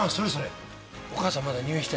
お母さんまだ入院してんの？